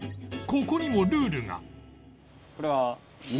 ここにもルールが